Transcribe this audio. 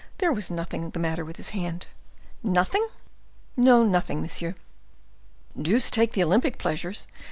But there was nothing the matter with his hand." "Nothing?" "No, nothing, monsieur." "Deuce take the Olympic pleasures!